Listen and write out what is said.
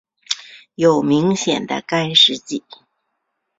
有明显的干湿季。